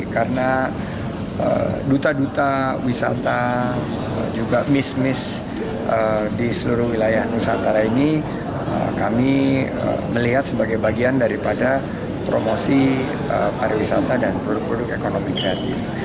karena duta duta wisata juga miss miss di seluruh wilayah nusantara ini kami melihat sebagai bagian daripada promosi pariwisata dan produk produk ekonomi kreatif